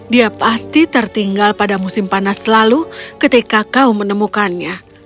dia pasti tertinggal pada musim panas lalu ketika kau menemukannya